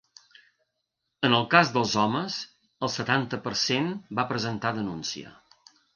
En el cas dels homes, el setanta per cent va presentar denúncia.